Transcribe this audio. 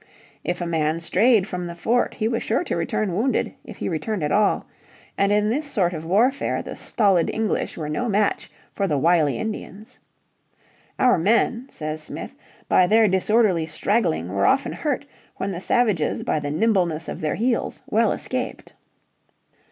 If a man strayed from the fort he was sure to return wounded if he returned at all; and in this sort of warfare the stolid English were no match for the wily Indians. "Our men," says Smith, "by their disorderly straggling were often hurt when the savages by the nimbleness of their heels well escaped."